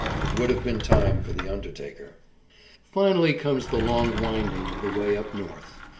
It would have been time for the undertaker. Finally comes the long wending of the way up North.